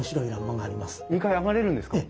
２階上がれるんですか？